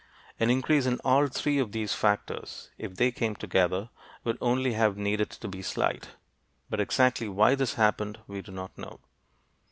An increase in all three of these factors if they came together would only have needed to be slight. But exactly why this happened we do not know.